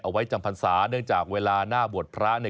เอาไว้จำพรรษาเนื่องจากเวลาหน้าบวชพระ